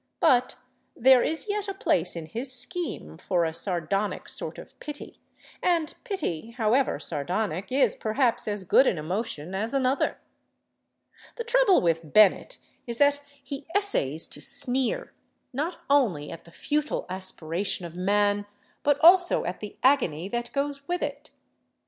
But there is yet a place in his scheme for a sardonic sort of pity, and pity, however sardonic, is perhaps as good an emotion as another. The trouble with Bennett is that he essays to sneer, not only at the futile aspiration of man, but also at the agony that goes with it.